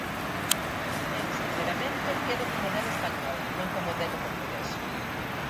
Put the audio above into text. Eu, sinceramente, quedo co modelo español, non co modelo portugués.